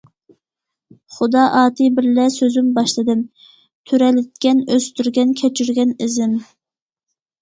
خۇدا ئاتى بىرلە سۆزۈم باشلىدىم، تۈرەلتكەن، ئۆستۈرگەن، كەچۈرگەن ئىزىم.